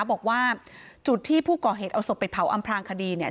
บอกว่าจุดที่ผู้ก่อเหตุเอาศพไปเผาอำพลางคดีเนี่ย